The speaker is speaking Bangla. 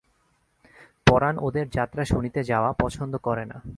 পরাণ ওদের যাত্রা শুনিতে যাওয়া পছন্দ করে না।